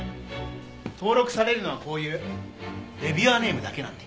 登録されるのはこういうレビュアーネームだけなんで。